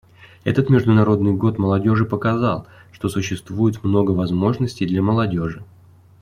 Этот Международный год молодежи показал, что существует много возможностей для молодежи.